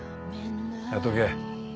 やっとけ。